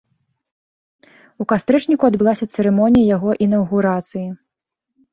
У кастрычніку адбылася цырымонія яго інаўгурацыі.